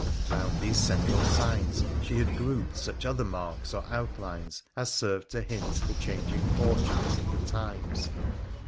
Eound these central signs she had grouped such other marks or outlines as served to hint the changing fortunes of the times.